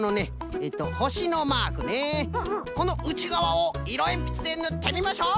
えっとほしのマークねこのうちがわをいろえんぴつでぬってみましょう！